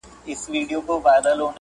باچايي لارې ته اشاره هم شوې ده